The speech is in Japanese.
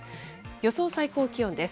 予想最高気温です。